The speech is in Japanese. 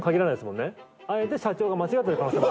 あえて社長が間違ってる可能性も。